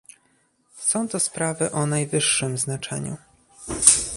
Są to sprawy o najwyższym znaczeniu